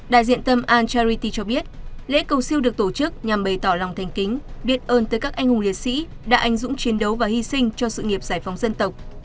đại diện tâm antarrity cho biết lễ cầu siêu được tổ chức nhằm bày tỏ lòng thành kính biết ơn tới các anh hùng liệt sĩ đã anh dũng chiến đấu và hy sinh cho sự nghiệp giải phóng dân tộc